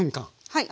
はい。